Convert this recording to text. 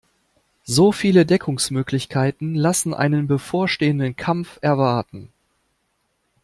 So viele Deckungsmöglichkeiten lassen einen bevorstehenden Kampf erwarten.